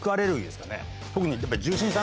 特に。